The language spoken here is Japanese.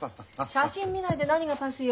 写真見ないで何がパスよ。